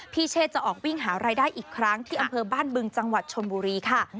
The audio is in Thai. เชษจะออกวิ่งหารายได้อีกครั้งที่อำเภอบ้านบึงจังหวัดชนบุรีค่ะ